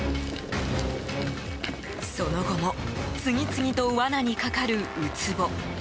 その後も次々と罠にかかるウツボ。